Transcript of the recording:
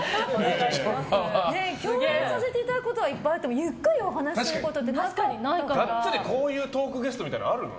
共演させていただくことはいっぱいあってもゆっくりお話しすることってガッツリこういうトークゲストみたいなのあるの？